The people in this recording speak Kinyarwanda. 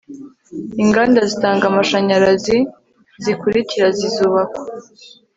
inganda zitanga amashanyarazi zikurikira zizubakwa